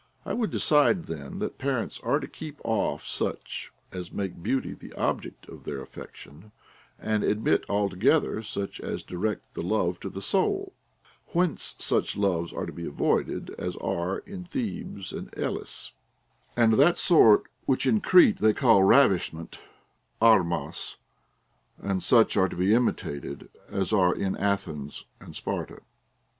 * I would decide then that parents are to keep off such as make beauty the object of their affection, and admit altogether such as direct the love to the soul ; whence such loves are to be avoided as are in Thebes and Elis, and that sort which in Crete they call ravishment (άοΛαγμός) ; j* and such are to be imitated as are in Athens and Sparta.